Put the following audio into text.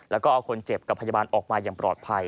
แล้วก็เอาคนเจ็บกับพยาบาลออกมาอย่างปลอดภัย